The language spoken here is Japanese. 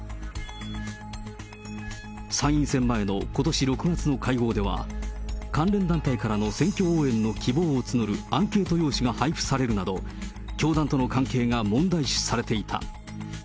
参院選前のことし６月の会合では、関連団体からの選挙応援の希望を募るアンケート用紙が配布されるなど、教団との関係が問題視されていた。